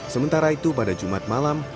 sementara itu pada jumat malam